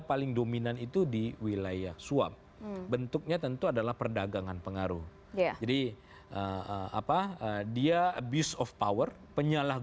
walaupun ya andaikan ya